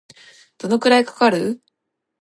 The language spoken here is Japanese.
どのくらいかかる